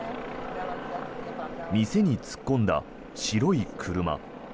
店に突っ込んだ白い車。